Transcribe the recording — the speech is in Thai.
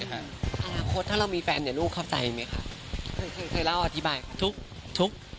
ขอแสลงโทษถ้าเรามีแฟนลูกเข้าใจไหมเคยเล่าอธิบายไหม